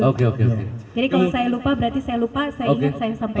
jadi kalau saya lupa berarti saya lupa saya ingat saya sampai